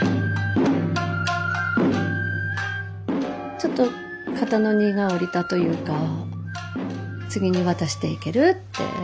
ちょっと肩の荷が下りたというか次に渡していけるって。